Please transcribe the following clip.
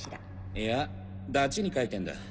いやダチに書いてんだ。